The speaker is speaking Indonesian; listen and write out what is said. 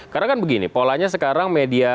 karena kan begini polanya sekarang media